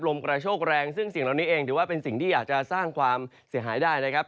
กระโชกแรงซึ่งสิ่งเหล่านี้เองถือว่าเป็นสิ่งที่อยากจะสร้างความเสียหายได้นะครับ